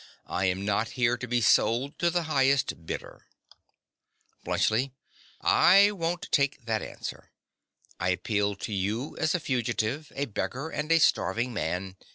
I am not here to be sold to the highest bidder. BLUNTSCHLI. I won't take that answer. I appealed to you as a fugitive, a beggar, and a starving man.